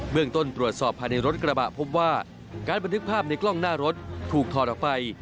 เมืองต้นตรวจสอบภายในรถกระบะพบว่าการบันทึกภาพในกล้องหน้ารถถูกถอดออกไป